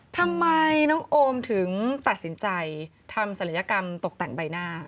ทำไมน้องโอมถึงตัดสินใจทำศัลยกรรมตกแต่งใบหน้า